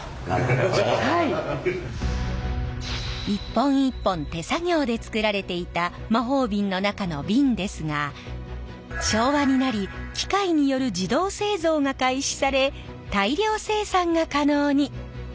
一本一本手作業でつくられていた魔法瓶の中の瓶ですが昭和になり機械による自動製造が開始され大量生産が可能に！